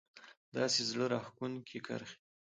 داسې زړه راښکونکې کرښې